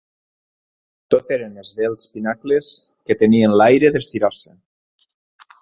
Tot eren esvelts pinacles que tenien l'aire d'estirar-se